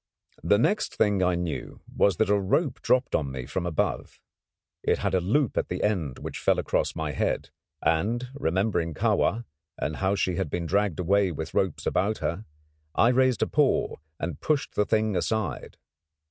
The next thing I knew was that a rope dropped on me from above. It had a loop at the end which fell across my head; and remembering Kahwa, and how she had been dragged away with ropes about her, I raised a paw and pushed the thing aside.